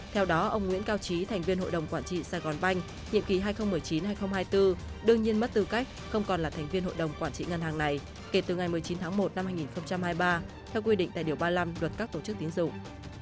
theo đó ông nguyễn cao trí thành viên hội đồng quản trị sài gòn banh nhiệm kỳ hai nghìn một mươi chín hai nghìn hai mươi bốn đương nhiên mất tư cách không còn là thành viên hội đồng quản trị ngân hàng này kể từ ngày một mươi chín tháng một năm hai nghìn hai mươi ba theo quy định tại điều ba mươi năm luật các tổ chức tiến dụng